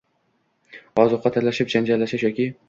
ozuqa talashib janjallashish yoki